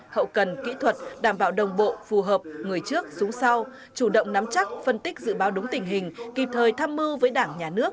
hậu cần kỹ thuật đảm bảo đồng bộ phù hợp người trước súng sau chủ động nắm chắc phân tích dự báo đúng tình hình kịp thời tham mưu với đảng nhà nước